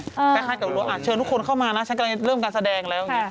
คล้ายกับเชิญทุกคนเข้ามานะฉันกำลังจะเริ่มการแสดงแล้ว